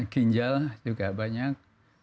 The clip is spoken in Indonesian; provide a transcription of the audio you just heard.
ginjal juga banyak